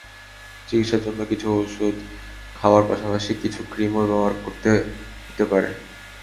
চিকিৎসার জন্য কিছু ওষুধ খাওয়ার পাশাপাশি কিছু ক্রিমও ব্যবহার করতে হতে পারে।